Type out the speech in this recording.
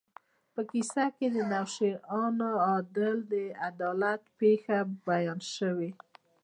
په کیسه کې د نوشیروان عادل د عدالت پېښه بیان شوې.